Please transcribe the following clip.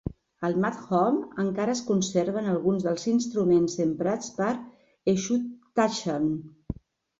Al madhom encara es conserven alguns dels instruments emprats per Ezhuthachan.